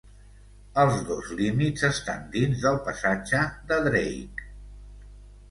Els dos límits estan dins del Passatge de Drake.